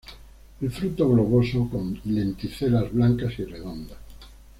El fruto globoso, con lenticelas blancas y redondas.